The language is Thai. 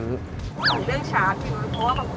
สำหรับเรื่องชาร์จคุณรู้หรือไม่รู้